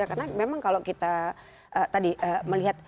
karena memang kalau kita tadi melihat